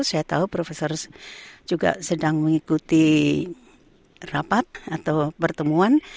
saya tahu profesor juga sedang mengikuti rapat atau pertemuan